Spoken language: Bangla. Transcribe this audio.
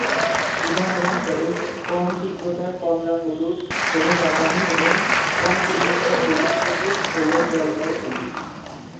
উদাহরণস্বরূপ, কম-তীব্রতার কমলা-হলুদ হল বাদামী এবং কম-তীব্রতার হলুদ-সবুজ হল জলপাই সবুজ।